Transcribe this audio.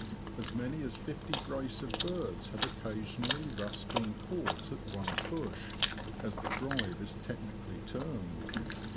As many as fifty brace of birds have occasionally thus been caught at one " push,'' as the drive is technically termed.